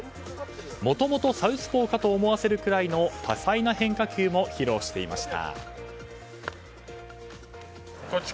もともとサウスポーかと思わせるくらいの多彩な変化球も披露していました。